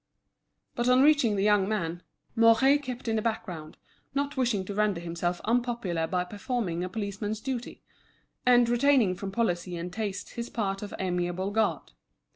But on reaching the young man, Mouret kept in the background, not wishing to render himself unpopular by performing a policeman's duty, and retaining from policy and taste his part of amiable god.